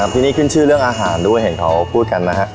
ที่นี่ขึ้นชื่อเรื่องอาหารด้วยเห็นเขาพูดกันนะฮะ